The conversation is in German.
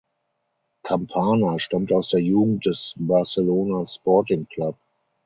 Campana stammt aus der Jugend des Barcelona Sporting Club.